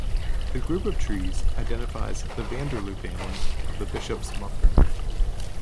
The group of trees identifies the Vanderloo family of the Bishop's mother.